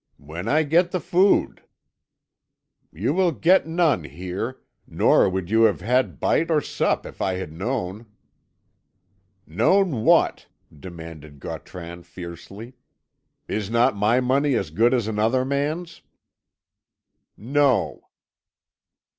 "When I get the food." "You will get none here nor would you have had bite or sup if I had known." "Known what?" demanded Gautran fiercely. "Is not my money as good as another man's?" "No."